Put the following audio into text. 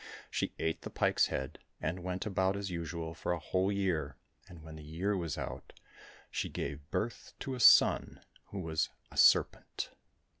She ate the pike's head and went about as usual for a whole year, and when the year was out she gave birth to a son who was a serpent.